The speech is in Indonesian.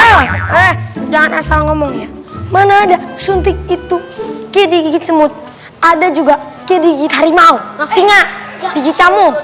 eh eh eh eh jangan asal ngomong ya mana ada suntik itu kaya digigit semut ada juga kaya digigit harimau singa digigit kamu